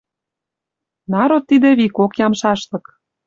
Народ тидӹ викок ямшашлык».